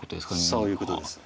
そういうことです。